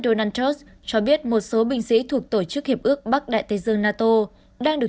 donald trump cho biết một số binh sĩ thuộc tổ chức hiệp ước bắc đại tây dương nato đang được